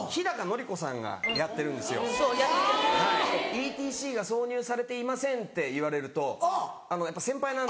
「ＥＴＣが挿入されていません」って言われるとやっぱ先輩なんで。